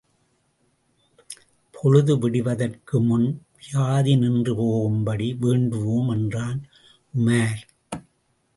பொழுது விடிவதற்குமுன் வியாதி நின்று போகும்படி வேண்டுவோம் என்றான் உமார்.